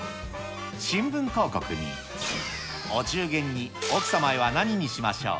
新聞広告に、お中元に奥様へは何にしましょう？